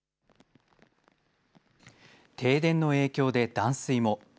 停電の影響で断水も。